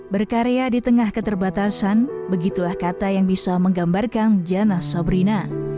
berkarya di tengah keterbatasan begitulah kata yang bisa menggambarkan jana sabrina